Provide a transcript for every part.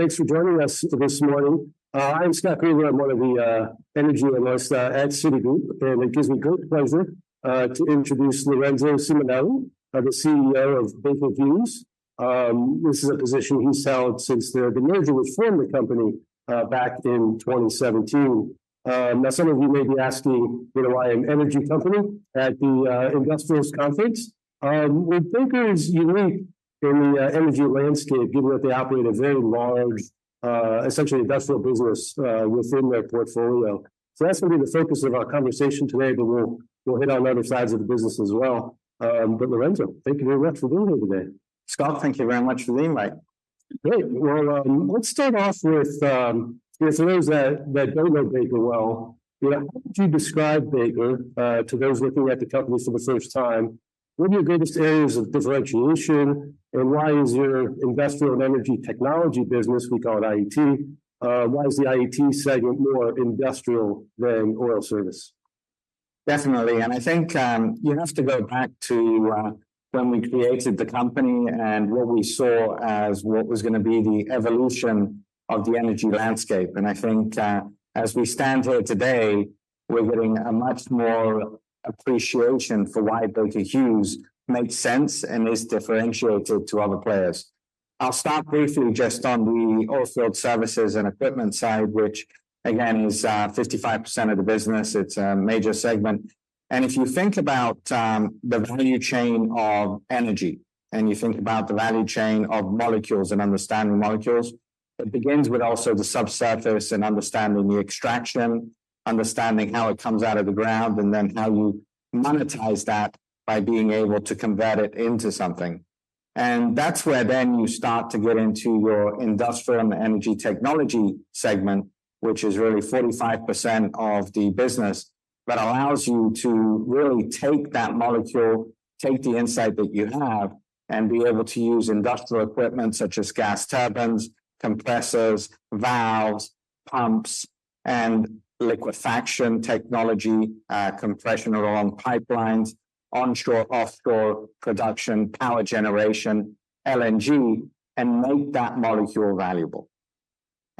Thanks for joining us this morning. I'm Scott Gruber. I'm one of the energy analysts at Citigroup, and it gives me great pleasure to introduce Lorenzo Simonelli, the CEO of Baker Hughes. This is a position he's held since the merger was formed of the company back in 2017. Now, some of you may be asking, you know, why an energy company at the Industrials Conference? Baker is unique in the energy landscape, given that they operate a very large, essentially industrial business within their portfolio. So that's going to be the focus of our conversation today, but we'll hit on other sides of the business as well. Lorenzo, thank you very much for being here today. Scott, thank you very much for the invite. Great. Well, let's start off with, for those that don't know Baker well, you know, how would you describe Baker to those looking at the company for the first time? What are your greatest areas of differentiation, and why is your Industrial and Energy Technology business, we call it IET, why is the IET segment more industrial than oil service? Definitely. And I think you have to go back to when we created the company and what we saw as what was going to be the evolution of the energy landscape. And I think as we stand here today, we're getting a much more appreciation for why Baker Hughes makes sense and is differentiated to other players. I'll start briefly just on the Oilfield Services and Equipment side, which, again, is 55% of the business. It's a major segment. And if you think about the value chain of energy, and you think about the value chain of molecules and understanding molecules, it begins with also the subsurface and understanding the extraction, understanding how it comes out of the ground, and then how you monetize that by being able to convert it into something. And that's where then you start to get into your Industrial and Energy Technology segment, which is really 45% of the business that allows you to really take that molecule, take the insight that you have, and be able to use industrial equipment such as gas turbines, compressors, valves, pumps, and liquefaction technology, compression of oil pipelines, onshore/offshore production, power generation, LNG, and make that molecule valuable.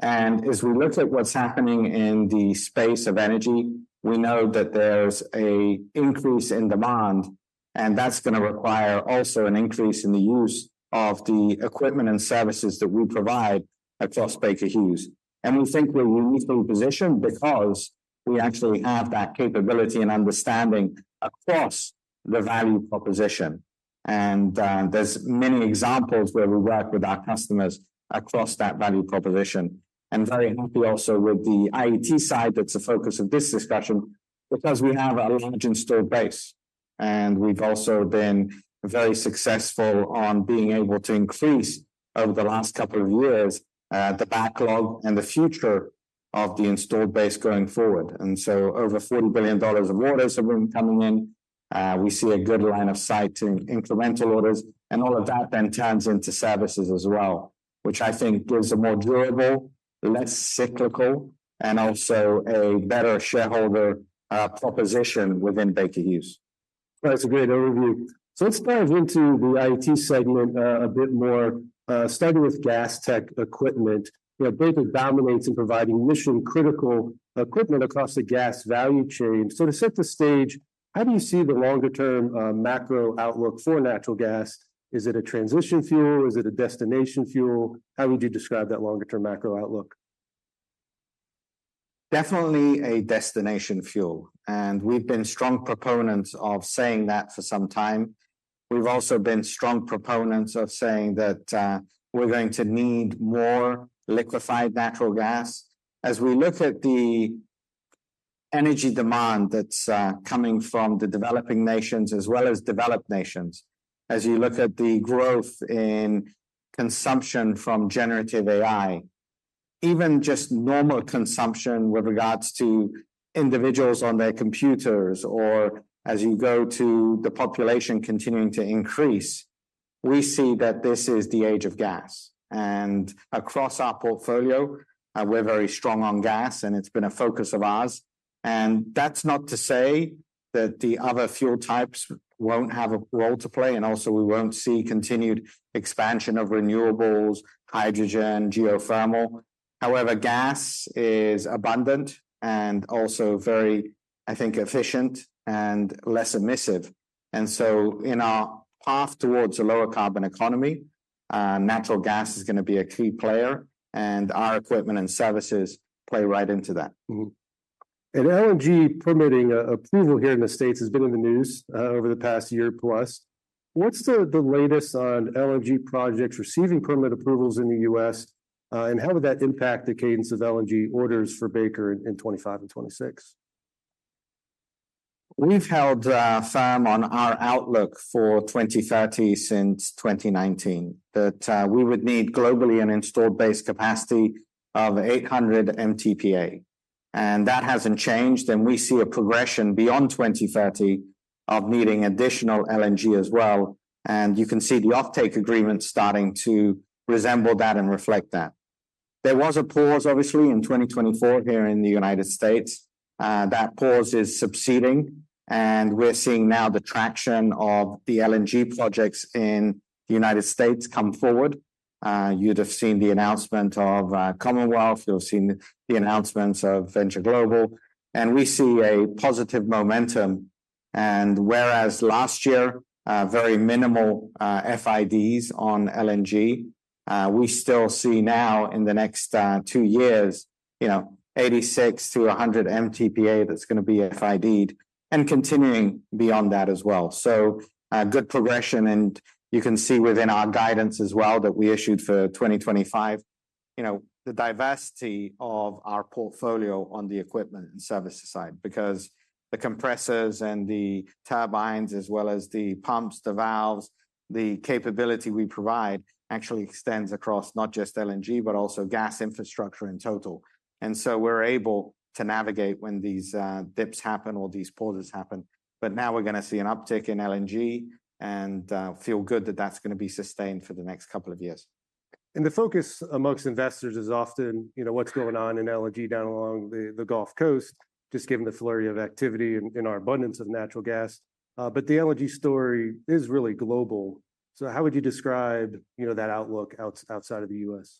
And as we look at what's happening in the space of energy, we know that there's an increase in demand, and that's going to require also an increase in the use of the equipment and services that we provide across Baker Hughes. And we think we're uniquely positioned because we actually have that capability and understanding across the value proposition. And there's many examples where we work with our customers across that value proposition. Very happy also with the IET side that's the focus of this discussion because we have a large installed base, and we've also been very successful on being able to increase over the last couple of years the backlog and the future of the installed base going forward. Over $40 billion of orders have been coming in. We see a good line of sight to incremental orders, and all of that then turns into services as well, which I think gives a more durable, less cyclical, and also a better shareholder proposition within Baker Hughes. That's a great overview. So let's dive into the IET segment a bit more. Starting with Gas Tech Equipment, you know, Baker dominates in providing mission-critical equipment across the gas value chain. So to set the stage, how do you see the longer-term macro outlook for natural gas? Is it a transition fuel? Is it a destination fuel? How would you describe that longer-term macro outlook? Definitely a destination fuel. And we've been strong proponents of saying that for some time. We've also been strong proponents of saying that we're going to need more liquefied natural gas. As we look at the energy demand that's coming from the developing nations as well as developed nations, as you look at the growth in consumption from generative AI, even just normal consumption with regards to individuals on their computers, or as you go to the population continuing to increase, we see that this is the age of gas. And across our portfolio, we're very strong on gas, and it's been a focus of ours. And that's not to say that the other fuel types won't have a role to play, and also we won't see continued expansion of renewables, hydrogen, geothermal. However, gas is abundant and also very, I think, efficient and less emissive. In our path toward a lower carbon economy, natural gas is going to be a key player, and our equipment and services play right into that. LNG permitting approval here in the States has been in the news over the past year plus. What's the latest on LNG projects receiving permit approvals in the U.S., and how would that impact the cadence of LNG orders for Baker in 2025 and 2026? We've held firm on our outlook for 2030 since 2019, that we would need globally an installed base capacity of 800 MTPA, and that hasn't changed, and we see a progression beyond 2030 of needing additional LNG as well, and you can see the offtake agreement starting to resemble that and reflect that. There was a pause, obviously, in 2024 here in the United States. That pause is subsiding, and we're seeing now the traction of the LNG projects in the United States come forward. You'd have seen the announcement of Commonwealth. You've seen the announcements of Venture Global, and we see a positive momentum, and whereas last year, very minimal FIDs on LNG, we still see now in the next two years, you know, 86 MTPA-100 MTPA that's going to be FIDed and continuing beyond that as well. So, good progression, and you can see within our guidance as well that we issued for 2025, you know, the diversity of our portfolio on the equipment and services side because the compressors and the turbines, as well as the pumps, the valves, the capability we provide actually extends across not just LNG, but also gas infrastructure in total. And so we're able to navigate when these dips happen or these pauses happen. But now we're going to see an uptick in LNG and feel good that that's going to be sustained for the next couple of years. The focus among investors is often, you know, what's going on in LNG down along the Gulf Coast, just given the flurry of activity and our abundance of natural gas. But the LNG story is really global. So how would you describe, you know, that outlook outside of the U.S.?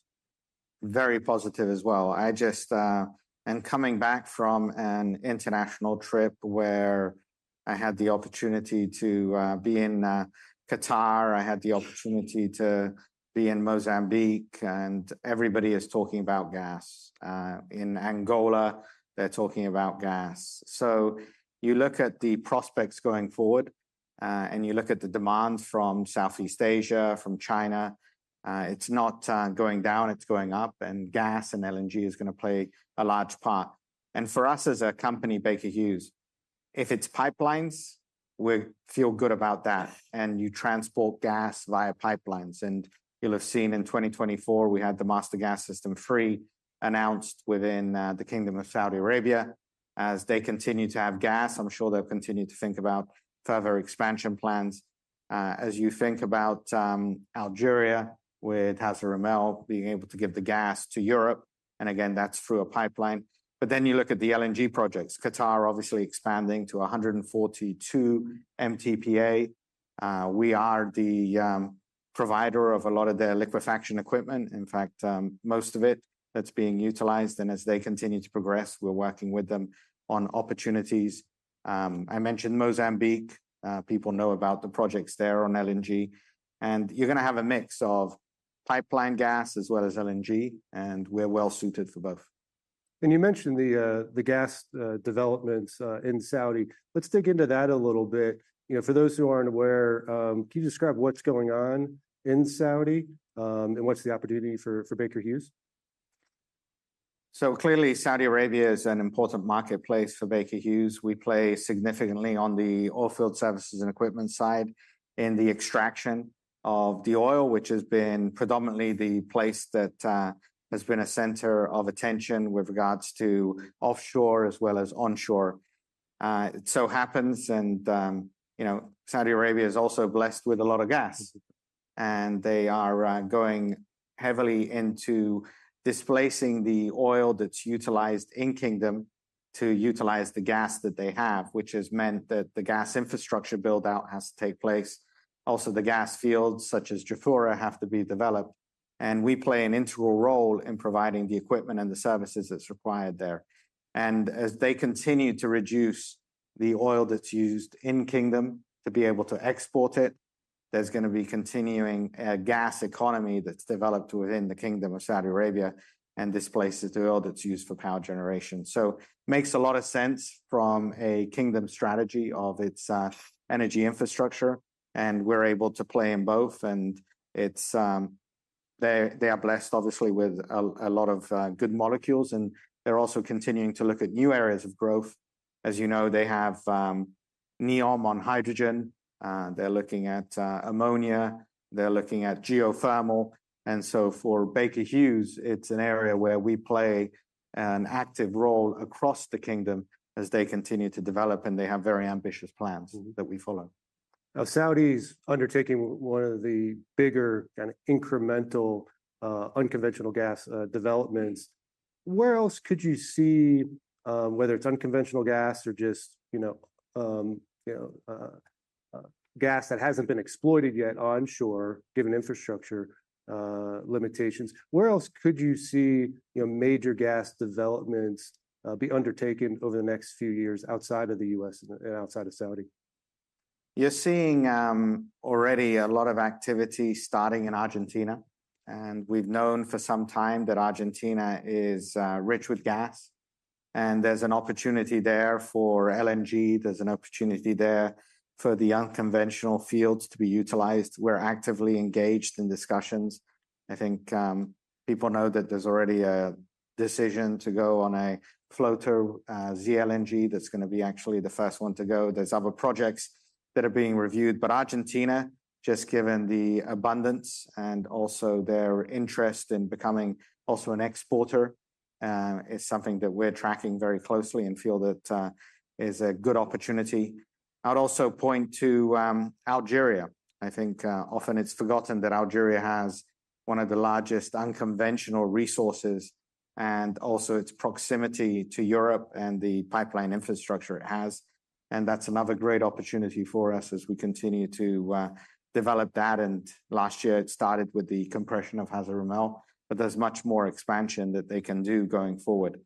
Very positive as well. I just, and coming back from an international trip where I had the opportunity to be in Qatar, I had the opportunity to be in Mozambique, and everybody is talking about gas. In Angola, they're talking about gas. So you look at the prospects going forward, and you look at the demand from Southeast Asia, from China, it's not going down, it's going up, and gas and LNG is going to play a large part. And for us as a company, Baker Hughes, if it's pipelines, we feel good about that, and you transport gas via pipelines. And you'll have seen in 2024, we had the Master Gas System 3 announced within the Kingdom of Saudi Arabia. As they continue to have gas, I'm sure they'll continue to think about further expansion plans. As you think about Algeria with Hassi R'Mel being able to give the gas to Europe, and again, that's through a pipeline. But then you look at the LNG projects. Qatar obviously expanding to 142 MTPA. We are the provider of a lot of their liquefaction equipment. In fact, most of it that's being utilized. And as they continue to progress, we're working with them on opportunities. I mentioned Mozambique. People know about the projects there on LNG. And you're going to have a mix of pipeline gas as well as LNG, and we're well suited for both. And you mentioned the gas developments in Saudi. Let's dig into that a little bit. You know, for those who aren't aware, can you describe what's going on in Saudi and what's the opportunity for Baker Hughes? Clearly, Saudi Arabia is an important marketplace for Baker Hughes. We play significantly on the Oilfield Services and Equipment side in the extraction of the oil, which has been predominantly the place that has been a center of attention with regards to offshore as well as onshore. It so happens, and you know, Saudi Arabia is also blessed with a lot of gas, and they are going heavily into displacing the oil that's utilized in the Kingdom to utilize the gas that they have, which has meant that the gas infrastructure buildout has to take place. Also, the gas fields such as Jafurah have to be developed, and we play an integral role in providing the equipment and the services that's required there. And as they continue to reduce the oil that's used in Kingdom to be able to export it, there's going to be continuing a gas economy that's developed within the Kingdom of Saudi Arabia and displaces the oil that's used for power generation. So it makes a lot of sense from a Kingdom strategy of its energy infrastructure, and we're able to play in both. And they are blessed, obviously, with a lot of good molecules, and they're also continuing to look at new areas of growth. As you know, they have NEOM on hydrogen. They're looking at ammonia. They're looking at geothermal. And so for Baker Hughes, it's an area where we play an active role across the Kingdom as they continue to develop, and they have very ambitious plans that we follow. Now, Saudi's undertaking one of the bigger kind of incremental unconventional gas developments. Where else could you see, whether it's unconventional gas or just, you know, gas that hasn't been exploited yet onshore, given infrastructure limitations? Where else could you see, you know, major gas developments be undertaken over the next few years outside of the U.S. and outside of Saudi? You're seeing already a lot of activity starting in Argentina, and we've known for some time that Argentina is rich with gas, and there's an opportunity there for LNG. There's an opportunity there for the unconventional fields to be utilized. We're actively engaged in discussions. I think people know that there's already a decision to go on a floating FLNG that's going to be actually the first one to go. There's other projects that are being reviewed, but Argentina, just given the abundance and also their interest in becoming also an exporter, is something that we're tracking very closely and feel that is a good opportunity. I'd also point to Algeria. I think often it's forgotten that Algeria has one of the largest unconventional resources and also its proximity to Europe and the pipeline infrastructure it has, and that's another great opportunity for us as we continue to develop that. Last year, it started with the compression of Hassi R'Mel, but there's much more expansion that they can do going forward.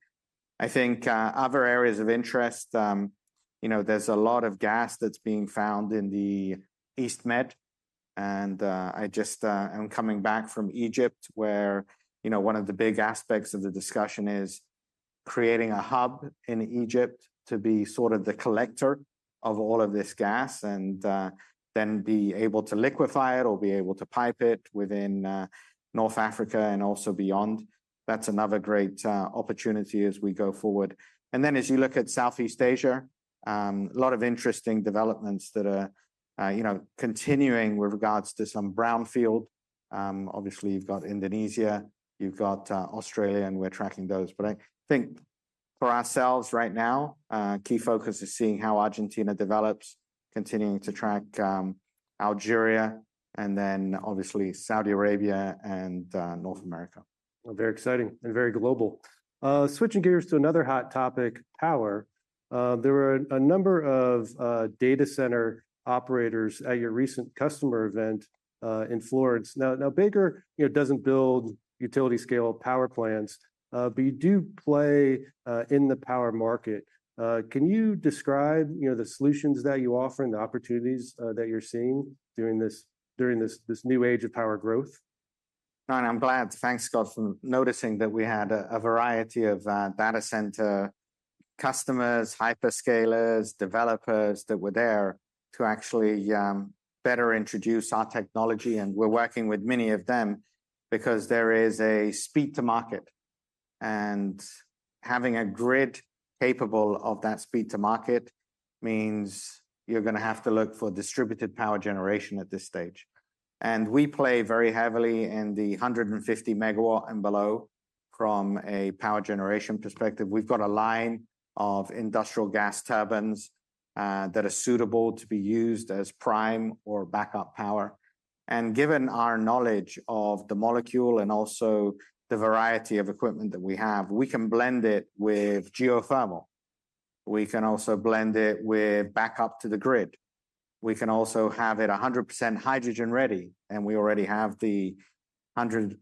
I think other areas of interest, you know, there's a lot of gas that's being found in the East Med, and I just am coming back from Egypt, where, you know, one of the big aspects of the discussion is creating a hub in Egypt to be sort of the collector of all of this gas and then be able to liquefy it or be able to pipe it within North Africa and also beyond. That's another great opportunity as we go forward. And then as you look at Southeast Asia, a lot of interesting developments that are, you know, continuing with regards to some brownfield. Obviously, you've got Indonesia, you've got Australia, and we're tracking those. But I think for ourselves right now, key focus is seeing how Argentina develops, continuing to track Algeria, and then obviously Saudi Arabia and North America. Very exciting and very global. Switching gears to another hot topic, power. There were a number of data center operators at your recent customer event in Florence. Now, Baker, you know, doesn't build utility-scale power plants, but you do play in the power market. Can you describe, you know, the solutions that you offer and the opportunities that you're seeing during this new age of power growth? I'm glad. Thanks, Scott, for noticing that we had a variety of data center customers, hyperscalers, developers that were there to actually better introduce our technology. We're working with many of them because there is a speed to market, and having a grid capable of that speed to market means you're going to have to look for distributed power generation at this stage. We play very heavily in the 150-MW and below from a power generation perspective. We've got a line of industrial gas turbines that are suitable to be used as prime or backup power. Given our knowledge of the molecule and also the variety of equipment that we have, we can blend it with geothermal. We can also blend it with backup to the grid. We can also have it 100% hydrogen ready, and we already have the 100%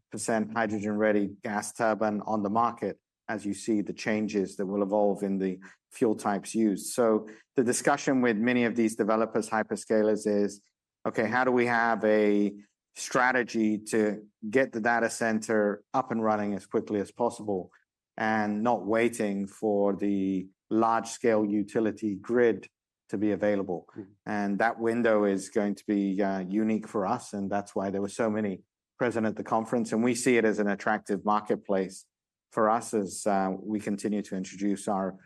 hydrogen ready gas turbine on the market as you see the changes that will evolve in the fuel types used. So the discussion with many of these developers, hyperscalers, is, okay, how do we have a strategy to get the data center up and running as quickly as possible and not waiting for the large-scale utility grid to be available? And that window is going to be unique for us, and that's why there were so many present at the conference, and we see it as an attractive marketplace for us as we continue to introduce our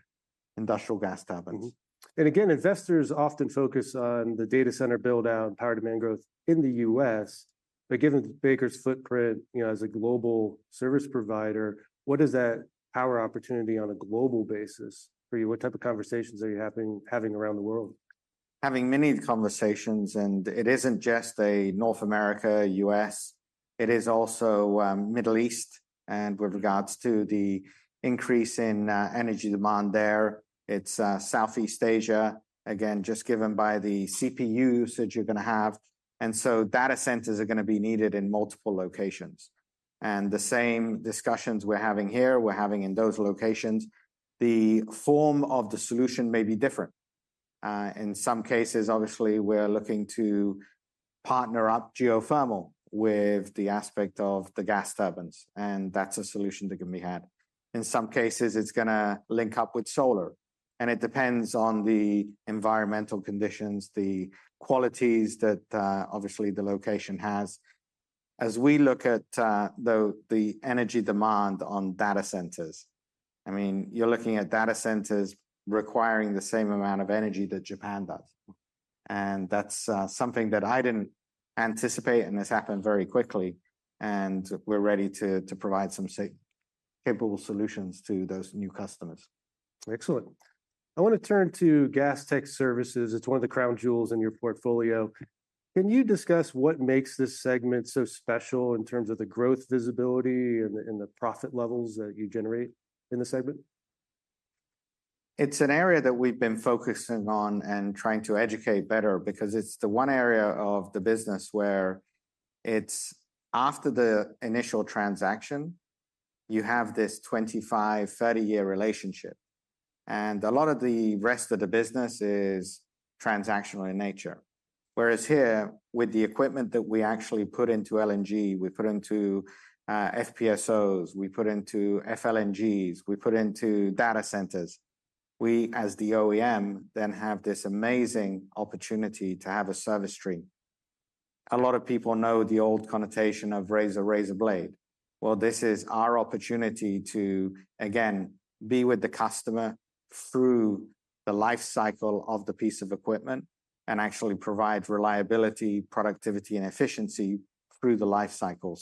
industrial gas turbines. Again, investors often focus on the data center buildout and power demand growth in the U.S., but given Baker's footprint, you know, as a global service provider, what is that power opportunity on a global basis for you? What type of conversations are you having around the world? Having many conversations, and it isn't just North America, U.S. It is also the Middle East, and with regards to the increase in energy demand there, it's Southeast Asia, again, just given by the CPUs that you're going to have. And so data centers are going to be needed in multiple locations. And the same discussions we're having here, we're having in those locations, the form of the solution may be different. In some cases, obviously, we're looking to partner up geothermal with the aspect of the gas turbines, and that's a solution that can be had. In some cases, it's going to link up with solar, and it depends on the environmental conditions, the qualities that obviously the location has. As we look at the energy demand on data centers, I mean, you're looking at data centers requiring the same amount of energy that Japan does. That's something that I didn't anticipate, and it's happened very quickly, and we're ready to provide some capable solutions to those new customers. Excellent. I want to turn to Gas Tech Services. It's one of the crown jewels in your portfolio. Can you discuss what makes this segment so special in terms of the growth visibility and the profit levels that you generate in the segment? It's an area that we've been focusing on and trying to educate better because it's the one area of the business where it's after the initial transaction, you have this 25-30-year relationship, and a lot of the rest of the business is transactional in nature. Whereas here, with the equipment that we actually put into LNG, we put into FPSOs, we put into FLNGs, we put into data centers, we as the OEM then have this amazing opportunity to have a service stream. A lot of people know the old connotation of razor, razor, blade. Well, this is our opportunity to, again, be with the customer through the life cycle of the piece of equipment and actually provide reliability, productivity, and efficiency through the life cycle.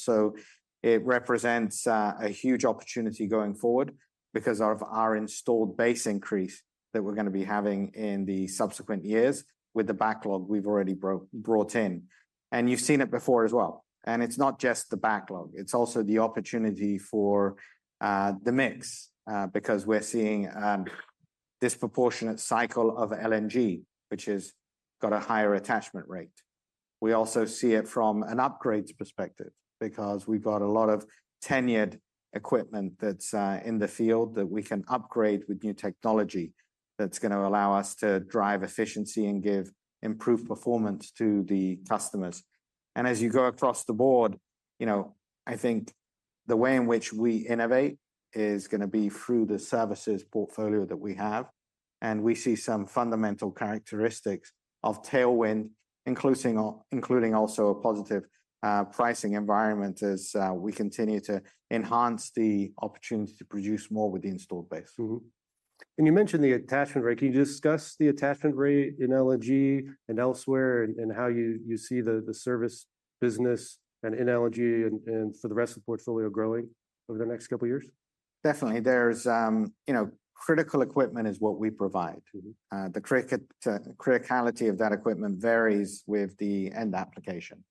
It represents a huge opportunity going forward because of our installed base increase that we're going to be having in the subsequent years with the backlog we've already brought in. You've seen it before as well. It's not just the backlog. It's also the opportunity for the mix because we're seeing a disproportionate cycle of LNG, which has got a higher attachment rate. We also see it from an upgrade perspective because we've got a lot of tenured equipment that's in the field that we can upgrade with new technology that's going to allow us to drive efficiency and give improved performance to the customers. As you go across the board, you know, I think the way in which we innovate is going to be through the services portfolio that we have, and we see some fundamental characteristics of Tailwind, including also a positive pricing environment as we continue to enhance the opportunity to produce more with the installed base. You mentioned the attachment rate. Can you discuss the attachment rate in LNG and elsewhere and how you see the service business and in LNG and for the rest of the portfolio growing over the next couple of years? Definitely. There's, you know, critical equipment is what we provide. The criticality of that equipment varies with the end application.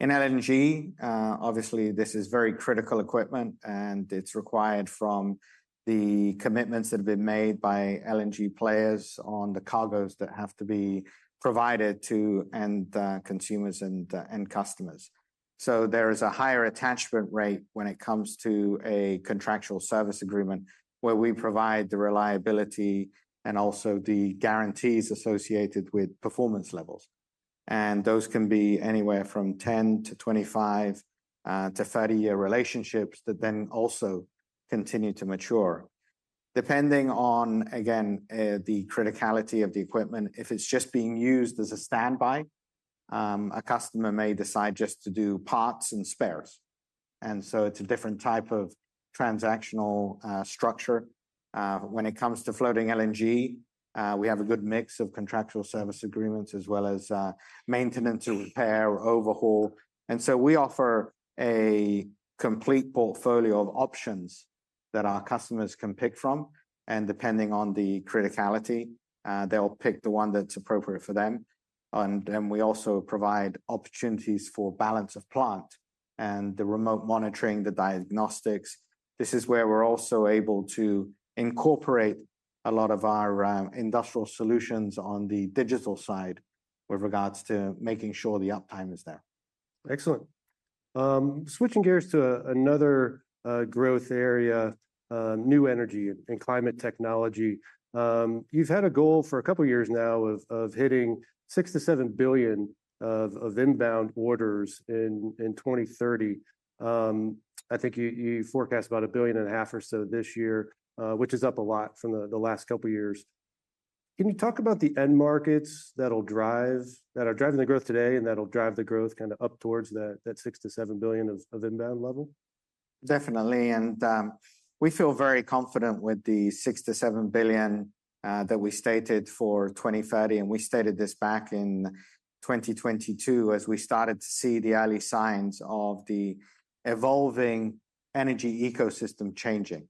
In LNG, obviously, this is very critical equipment, and it's required from the commitments that have been made by LNG players on the cargoes that have to be provided to end consumers and end customers. So there is a higher attachment rate when it comes to a contractual service agreement where we provide the reliability and also the guarantees associated with performance levels. And those can be anywhere from 10- to 25- to 30-year relationships that then also continue to mature. Depending on, again, the criticality of the equipment, if it's just being used as a standby, a customer may decide just to do parts and spares. And so it's a different type of transactional structure. When it comes to floating LNG, we have a good mix of contractual service agreements as well as maintenance or repair or overhaul, and so we offer a complete portfolio of options that our customers can pick from, and depending on the criticality, they'll pick the one that's appropriate for them, and then we also provide opportunities for balance of plant and the remote monitoring, the diagnostics. This is where we're also able to incorporate a lot of our industrial solutions on the digital side with regards to making sure the uptime is there. Excellent. Switching gears to another growth area, new energy and climate technology. You've had a goal for a couple of years now of hitting $6 billion-$7 billion of inbound orders in 2030. I think you forecast about $1.5 billion or so this year, which is up a lot from the last couple of years. Can you talk about the end markets that are driving the growth today and that'll drive the growth kind of up towards that $6 billion-$7 billion of inbound level? Definitely. And we feel very confident with the $6 billion-$7 billion that we stated for 2030, and we stated this back in 2022 as we started to see the early signs of the evolving energy ecosystem changing.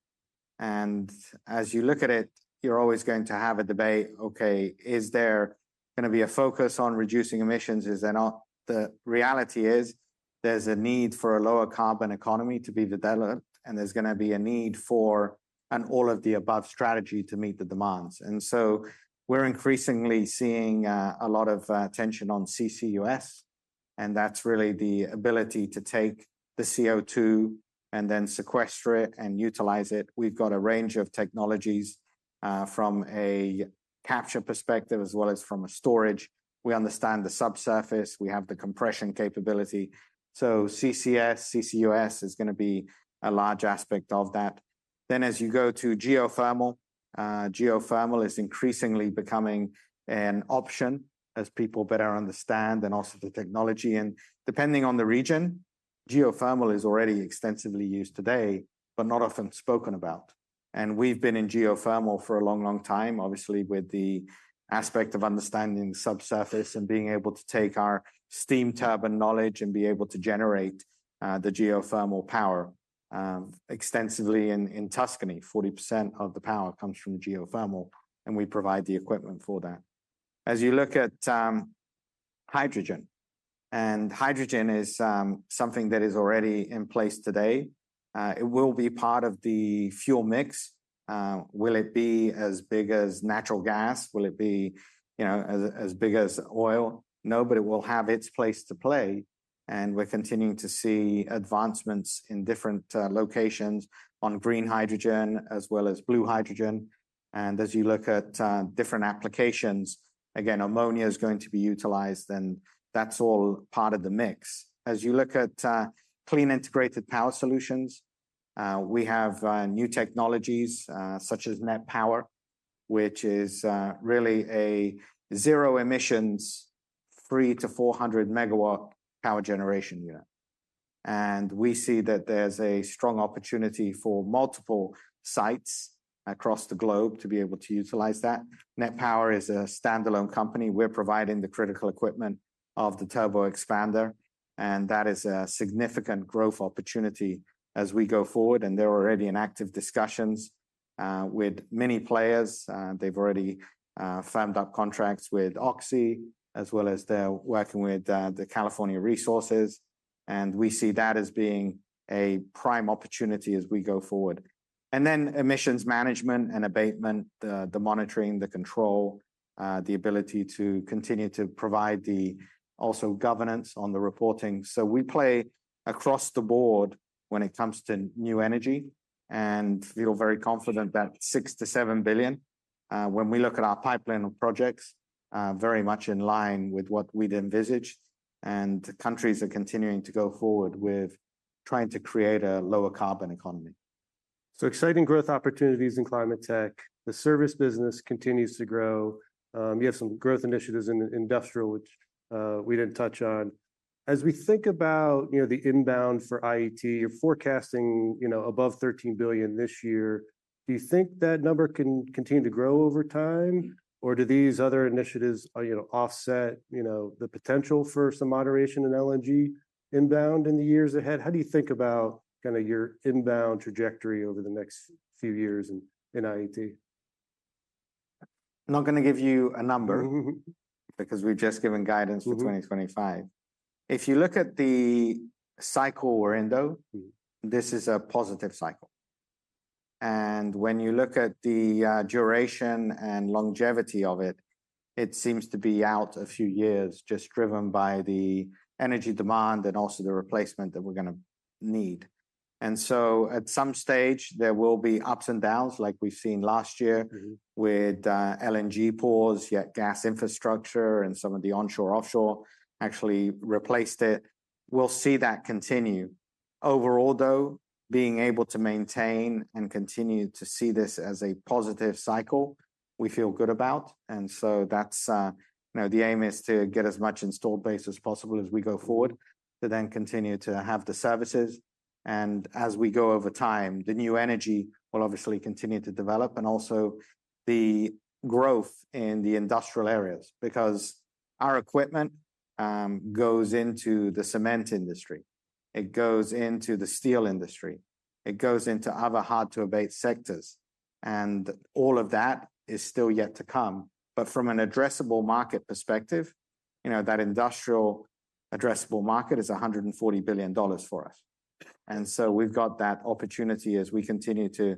And as you look at it, you're always going to have a debate, okay, is there going to be a focus on reducing emissions? The reality is there's a need for a lower carbon economy to be developed, and there's going to be a need for an all-of-the-above strategy to meet the demands. And so we're increasingly seeing a lot of attention on CCUS, and that's really the ability to take the CO2 and then sequester it and utilize it. We've got a range of technologies from a capture perspective as well as from a storage. We understand the subsurface. We have the compression capability. So CCS, CCUS is going to be a large aspect of that. Then as you go to geothermal, geothermal is increasingly becoming an option as people better understand and also the technology. And depending on the region, geothermal is already extensively used today, but not often spoken about. And we've been in geothermal for a long, long time, obviously, with the aspect of understanding the subsurface and being able to take our steam turbine knowledge and be able to generate the geothermal power extensively in Tuscany. 40% of the power comes from geothermal, and we provide the equipment for that. As you look at hydrogen, and hydrogen is something that is already in place today. It will be part of the fuel mix. Will it be as big as natural gas? Will it be, you know, as big as oil? No, but it will have its place to play. We're continuing to see advancements in different locations on green hydrogen as well as blue hydrogen. As you look at different applications, again, ammonia is going to be utilized, and that's all part of the mix. As you look at clean integrated power solutions, we have new technologies such as Net Power, which is really a zero-emissions three to 400 MW power generation unit. We see that there's a strong opportunity for multiple sites across the globe to be able to utilize that. Net Power is a standalone company. We're providing the critical equipment of the turbo expander, and that is a significant growth opportunity as we go forward. There are already active discussions with many players. They've already firmed up contracts with Oxy, as well as they're working with the California Resources. We see that as being a prime opportunity as we go forward. And then emissions management and abatement, the monitoring, the control, the ability to continue to provide the also governance on the reporting. So we play across the board when it comes to new energy and feel very confident that $6 billion-7 billion, when we look at our pipeline of projects, very much in line with what we'd envisaged. And countries are continuing to go forward with trying to create a lower carbon economy. So, exciting growth opportunities in climate tech. The service business continues to grow. You have some growth initiatives in industrial, which we didn't touch on. As we think about, you know, the inbound for IET, you're forecasting, you know, above $13 billion this year. Do you think that number can continue to grow over time, or do these other initiatives, you know, offset, you know, the potential for some moderation in LNG inbound in the years ahead? How do you think about kind of your inbound trajectory over the next few years in IET? I'm not going to give you a number because we've just given guidance for 2025. If you look at the cycle we're in, though, this is a positive cycle. And when you look at the duration and longevity of it, it seems to be out a few years, just driven by the energy demand and also the replacement that we're going to need. And so at some stage, there will be ups and downs, like we've seen last year with LNG booms, yet gas infrastructure and some of the onshore offshore actually replaced it. We'll see that continue. Overall, though, being able to maintain and continue to see this as a positive cycle, we feel good about. And so that's, you know, the aim is to get as much installed base as possible as we go forward to then continue to have the services. And as we go over time, the new energy will obviously continue to develop and also the growth in the industrial areas because our equipment goes into the cement industry, it goes into the steel industry, it goes into other hard-to-abate sectors. And all of that is still yet to come. But from an addressable market perspective, you know, that industrial addressable market is $140 billion for us. And so we've got that opportunity as we continue to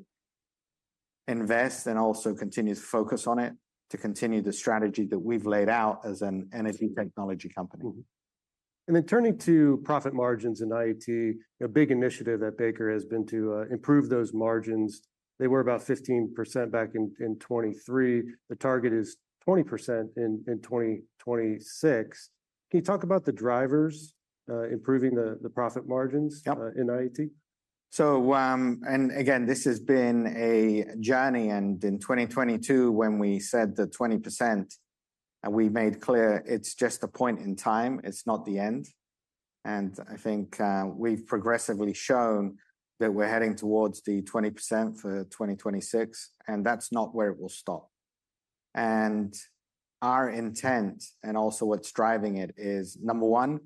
invest and also continue to focus on it to continue the strategy that we've laid out as an energy technology company. Turning to profit margins in IET, a big initiative that Baker Hughes has been to improve those margins. They were about 15% back in 2023. The target is 20% in 2026. Can you talk about the drivers improving the profit margins in IET? So, and again, this has been a journey. And in 2022, when we said the 20%, we made clear it's just a point in time. It's not the end. And I think we've progressively shown that we're heading towards the 20% for 2026, and that's not where it will stop. And our intent and also what's driving it is, number one,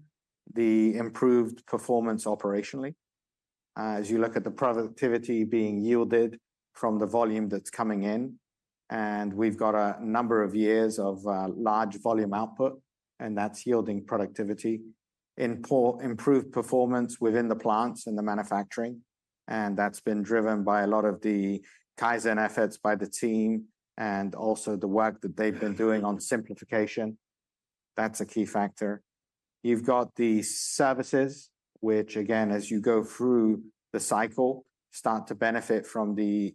the improved performance operationally. As you look at the productivity being yielded from the volume that's coming in, and we've got a number of years of large volume output, and that's yielding productivity, improved performance within the plants and the manufacturing. And that's been driven by a lot of the Kaizen efforts by the team and also the work that they've been doing on simplification. That's a key factor. You've got the services, which, again, as you go through the cycle, start to benefit from the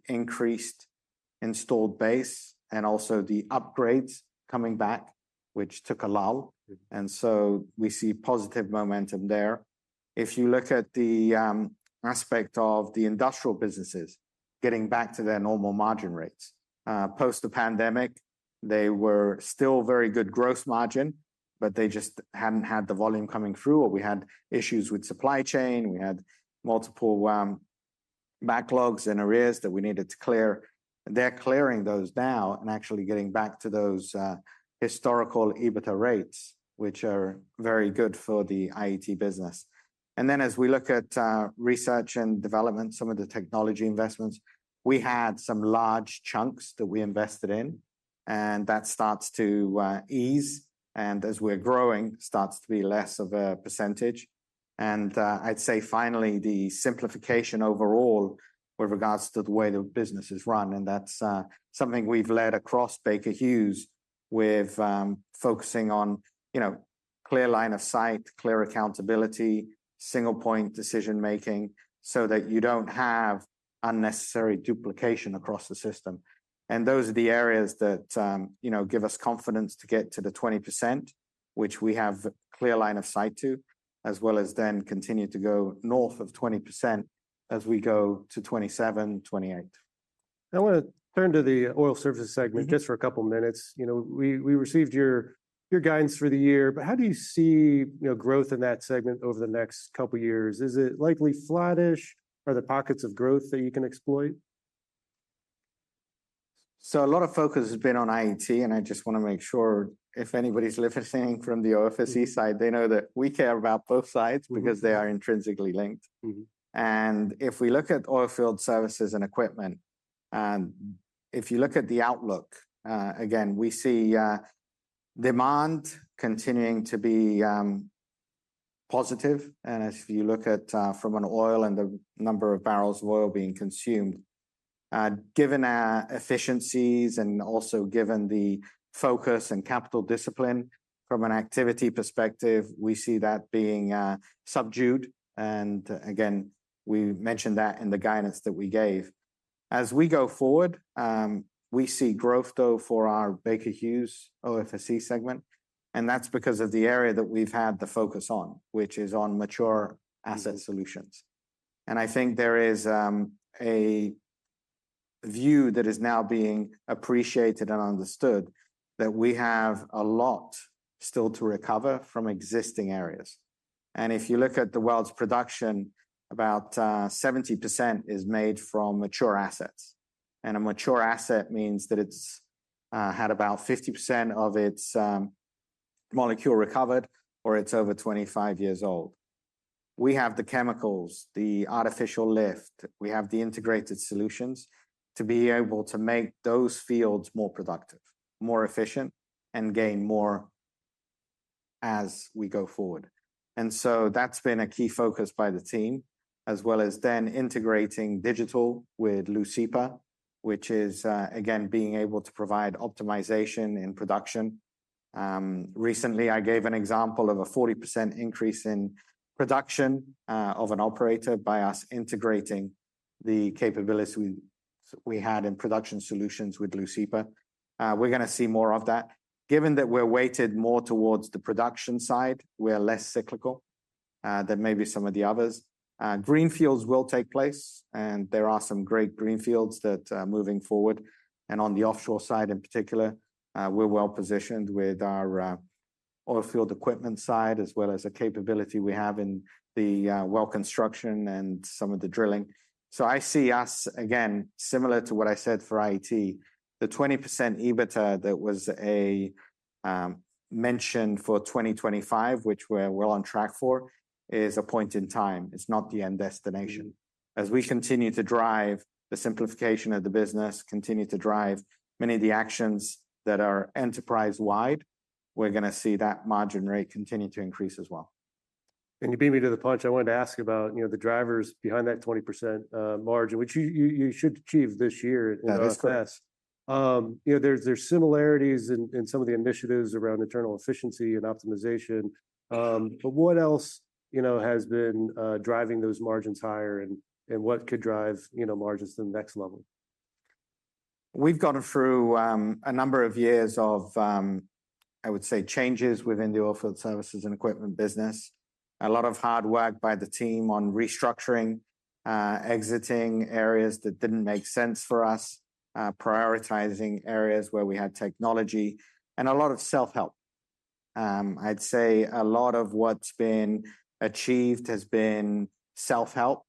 increased installed base and also the upgrades coming back, which took a lull. And so we see positive momentum there. If you look at the aspect of the industrial businesses getting back to their normal margin rates, post the pandemic, they were still very good gross margin, but they just hadn't had the volume coming through, or we had issues with supply chain. We had multiple backlogs and arrears that we needed to clear. They're clearing those now and actually getting back to those historical EBITDA rates, which are very good for the IET business. And then as we look at research and development, some of the technology investments, we had some large chunks that we invested in, and that starts to ease. As we're growing, it starts to be less of a percentage. I'd say finally, the simplification overall with regards to the way the business is run. That's something we've led across Baker Hughes with focusing on, you know, clear line of sight, clear accountability, single-point decision-making so that you don't have unnecessary duplication across the system. Those are the areas that, you know, give us confidence to get to the 20%, which we have clear line of sight to, as well as then continue to go north of 20% as we go to 27%-28%. I want to turn to the oil services segment just for a couple of minutes. You know, we received your guidance for the year, but how do you see, you know, growth in that segment over the next couple of years? Is it likely flattish? Are there pockets of growth that you can exploit? So a lot of focus has been on IET, and I just want to make sure if anybody's listening from the OFSE side, they know that we care about both sides because they are intrinsically linked. And if we look at Oilfield Services and Equipment, if you look at the outlook, again, we see demand continuing to be positive. And if you look at from an oil and the number of barrels of oil being consumed, given our efficiencies and also given the focus and capital discipline from an activity perspective, we see that being subdued. And again, we mentioned that in the guidance that we gave. As we go forward, we see growth, though, for our Baker Hughes OFSE segment. And that's because of the area that we've had the focus on, which is on Mature Asset Solutions. I think there is a view that is now being appreciated and understood that we have a lot still to recover from existing areas. If you look at the world's production, about 70% is made from mature assets. A mature asset means that it's had about 50% of its molecule recovered or it's over 25 years old. We have the chemicals, the artificial lift. We have the integrated solutions to be able to make those fields more productive, more efficient, and gain more as we go forward. That's been a key focus by the team, as well as then integrating digital with Leucipa, which is, again, being able to provide optimization in production. Recently, I gave an example of a 40% increase in production of an operator by us integrating the capabilities we had in Production Solutions with Leucipa. We're going to see more of that. Given that we're weighted more towards the production side, we're less cyclical than maybe some of the others. Greenfields will take place, and there are some great greenfields that are moving forward, and on the offshore side in particular, we're well positioned with our Oilfield Equipment side, as well as a capability we have in the Well Construction and some of the drilling, so I see us, again, similar to what I said for IET, the 20% EBITDA that was mentioned for 2025, which we're well on track for, is a point in time. It's not the end destination. As we continue to drive the simplification of the business, continue to drive many of the actions that are enterprise-wide, we're going to see that margin rate continue to increase as well. And you beat me to the punch. I wanted to ask about, you know, the drivers behind that 20% margin, which you should achieve this year at IET. You know, there's similarities in some of the initiatives around internal efficiency and optimization. But what else, you know, has been driving those margins higher and what could drive, you know, margins to the next level? We've gone through a number of years of, I would say, changes within the Oilfield Services and Equipment business. A lot of hard work by the team on restructuring, exiting areas that didn't make sense for us, prioritizing areas where we had technology, and a lot of self-help. I'd say a lot of what's been achieved has been self-help,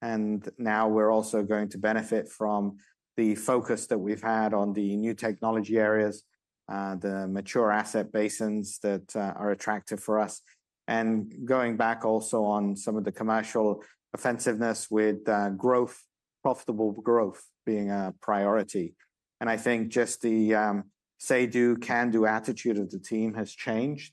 and now we're also going to benefit from the focus that we've had on the new technology areas, the mature asset basins that are attractive for us, and going back also on some of the commercial offensives with growth, profitable growth being a priority. I think just the say-do, can-do attitude of the team has changed,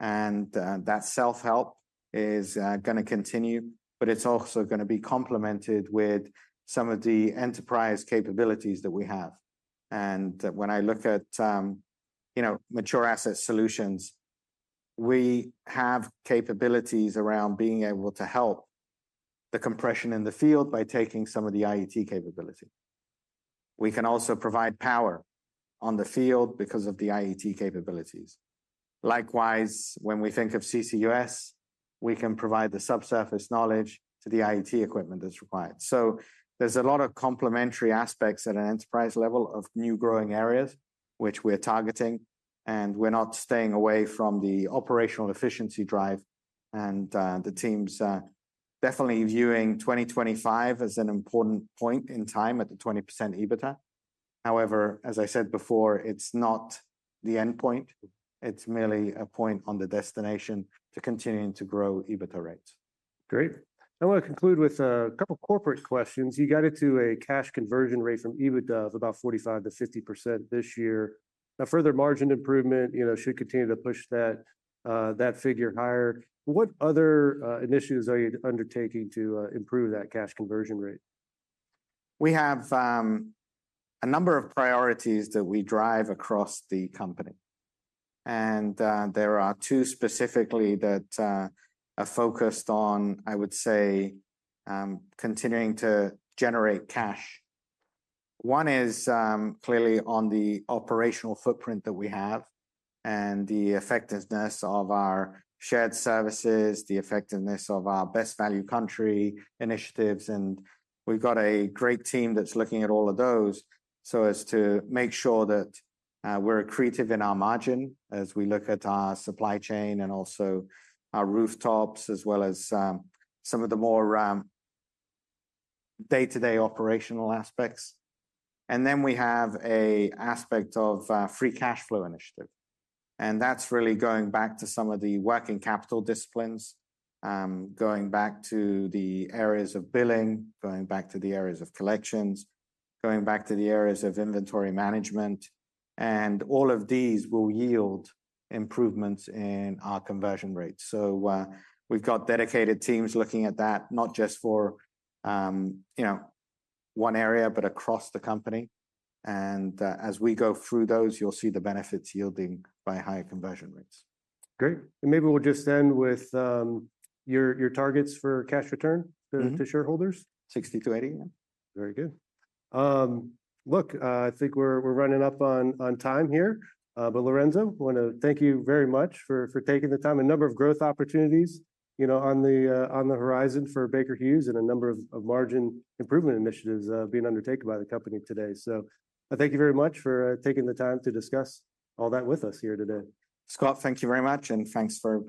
and that self-help is going to continue, but it's also going to be complemented with some of the enterprise capabilities that we have. When I look at, you know, Mature Asset Solutions, we have capabilities around being able to help the compression in the field by taking some of the IET capability. We can also provide power on the field because of the IET capabilities. Likewise, when we think of CCUS, we can provide the subsurface knowledge to the IET equipment that's required. So there's a lot of complementary aspects at an enterprise level of new growing areas, which we're targeting, and we're not staying away from the operational efficiency drive. The team's definitely viewing 2025 as an important point in time at the 20% EBITDA. However, as I said before, it's not the endpoint. It's merely a point on the destination to continuing to grow EBITDA rates. Great. I want to conclude with a couple of corporate questions. You got into a cash conversion rate from EBITDA of about 45%-50% this year. Now, further margin improvement, you know, should continue to push that figure higher. What other initiatives are you undertaking to improve that cash conversion rate? We have a number of priorities that we drive across the company, and there are two specifically that are focused on, I would say, continuing to generate cash. One is clearly on the operational footprint that we have and the effectiveness of our shared services, the effectiveness of our best value country initiatives, and we've got a great team that's looking at all of those so as to make sure that we're creative in our margin as we look at our supply chain and also our rooftops, as well as some of the more day-to-day operational aspects, and then we have an aspect of free cash flow initiative, and that's really going back to some of the working capital disciplines, going back to the areas of billing, going back to the areas of collections, going back to the areas of inventory management. And all of these will yield improvements in our conversion rates. So we've got dedicated teams looking at that, not just for, you know, one area, but across the company. And as we go through those, you'll see the benefits yielding by higher conversion rates. Great, and maybe we'll just end with your targets for cash return to shareholders. 60-80. Very good. Look, I think we're running up on time here. But Lorenzo, I want to thank you very much for taking the time. A number of growth opportunities, you know, on the horizon for Baker Hughes and a number of margin improvement initiatives being undertaken by the company today. So I thank you very much for taking the time to discuss all that with us here today. Scott, thank you very much, and thanks for.